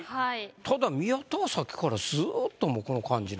ただ宮田はさっきからずっともうこの感じなんですよ。